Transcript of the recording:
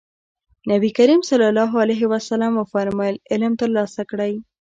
نبي کريم ص وفرمايل علم ترلاسه کړئ.